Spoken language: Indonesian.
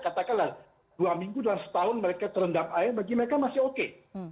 katakanlah dua minggu dalam setahun mereka terendam air bagi mereka masih oke